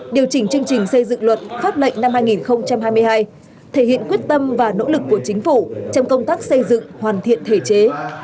điều chỉnh chương trình xây dựng luật pháp lệnh năm hai nghìn hai mươi hai thể hiện quyết tâm và nỗ lực của chính phủ trong công tác xây dựng hoàn thiện thể chế